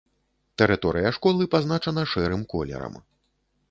Тэрыторыя школы пазначана шэрым колерам.